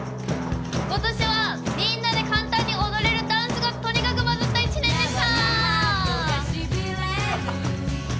ことしはみんなで簡単に踊れるダンスがとにかくバズった一年でした。